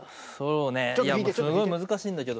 すごい難しいんだけど。